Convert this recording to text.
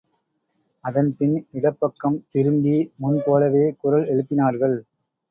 அதன் பின் இடப்பக்கம் திரும்பி, முன் போலவே குரல் எழுப்பினார்கள்.